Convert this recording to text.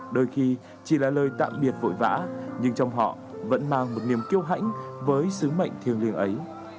đôi khi chỉ là lời tạm biệt vội vã nhưng trong họ vẫn mang một niềm kiêu hãnh với sứ mệnh thiêng liêng ấy